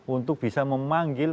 untuk bisa memanggil